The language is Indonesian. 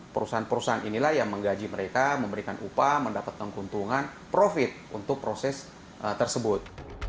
perusahaan perusahaan inilah yang menggaji mereka memberikan upah mendapatkan keuntungan profit untuk proses tersebut